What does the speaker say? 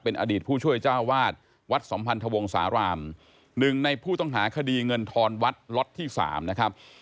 อดีตผู้ช่วยเจ้าวาดวัดสัมพันธวงศาลามหนึ่งในผู้ต้องหาคดีเงินทอนวัดล็อตที่๓นะครับ